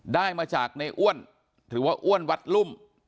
ได้มาจากในอ้วนหรือว่าอ้วนวัดลุ่ม